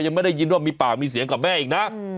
ยังไม่ได้ยินว่ามีปากมีเสียงกับแม่อีกนะ